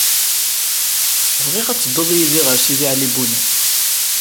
Bɣiɣ ad teddud yid-i ɣer Sidi Ɛli Bunab.